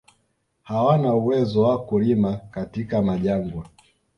Hawana uwezo wa kulima katika majangwa